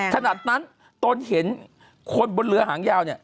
ขนาดนั้นตนเห็นคนบนเรือหางยาวเนี่ย